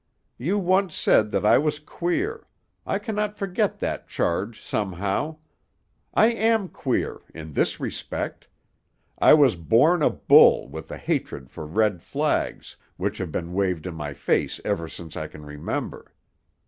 You once said that I was queer; I cannot forget that charge, somehow. I am queer; in this respect: I was born a bull with a hatred for red flags, which have been waved in my face ever since I can remember.